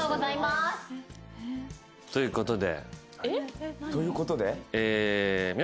・ということで？